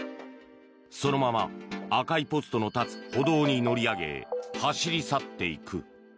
そのまま赤いポストの立つ歩道に乗り上げ走り去っていく。